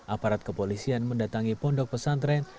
aparat kepolisian mendatangi pondok pesantren